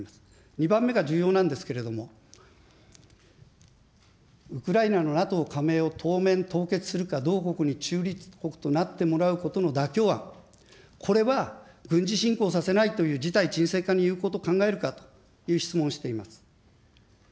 ２番目が重要なんですけれども、ウクライナのＮＡＴＯ加盟を当面凍結するか、同国に中立国となってもらうことの妥協案、これは、軍事侵攻させないという事態沈静化が有効と考えるかという質問をしています。